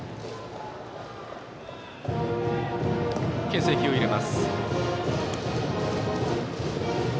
けん制球を入れます。